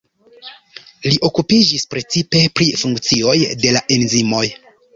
Li okupiĝis precipe pri funkcioj de la enzimoj.